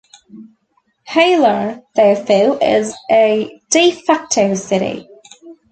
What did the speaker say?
Hailar, therefore, is a "de facto" city.